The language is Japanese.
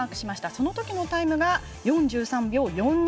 そのときのタイムが４３秒４２。